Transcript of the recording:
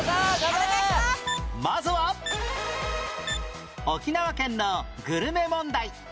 まずは沖縄県のグルメ問題